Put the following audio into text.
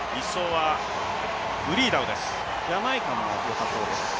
ジャマイカもよさそうです。